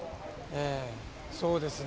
そうですね。